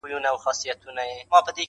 ستا ويادو ته ورځم~